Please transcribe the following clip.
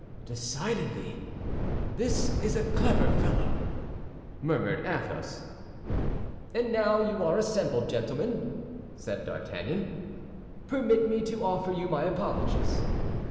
"Decidedly, this is a clever fellow," murmured Athos. "And now you are assembled, gentlemen," said D'Artagnan, "permit me to offer you my apologies."